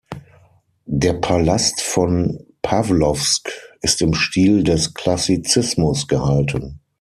Der Palast von Pawlowsk ist im Stil des Klassizismus gehalten.